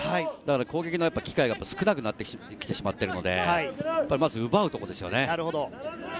攻撃の機会がやっぱり少なくなってきてしまっているので、まず奪うところですよね。